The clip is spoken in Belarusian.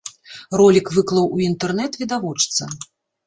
Ролік выклаў у інтэрнэт відавочца.